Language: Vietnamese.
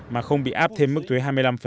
mà không bị áp thêm mức thuế hai mươi năm